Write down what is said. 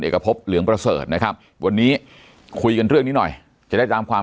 พบเหลืองประเสริฐนะครับวันนี้คุยกันเรื่องนี้หน่อยจะได้ตามความ